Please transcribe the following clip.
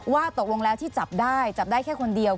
ว่าตกลงแล้วที่จับได้จับได้แค่คนเดียว